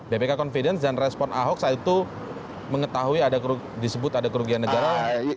bpk confidence dan respon ahok saat itu mengetahui disebut ada kerugian negara